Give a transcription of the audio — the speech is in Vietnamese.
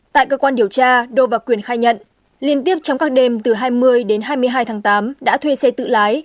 tại cơ quan điều tra đô và quyền khai nhận liên tiếp trong các đêm từ hai mươi đến hai mươi hai tháng tám đã thuê xe tự lái